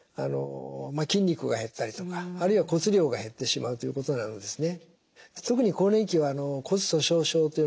筋肉が減ったりとかあるいは骨量が減ってしまうということがあるんですね。